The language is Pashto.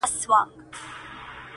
• څوک به دي ستايي په چا به ویاړې؟ ,